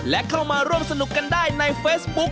และเข้ามาร่วมสนุกกันได้ในเฟซบุ๊ค